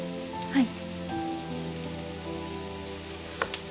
はい。